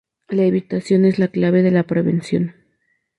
La evitación es la clave de la prevención.